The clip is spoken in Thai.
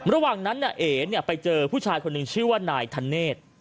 ระหว่างนั้นเอ๋ไปเจอผู้ชายคนหนึ่งชื่อว่านายธเนธ